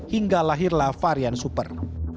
hingga lahirlah varian super